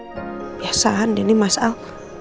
kebiasaan dan ini mas al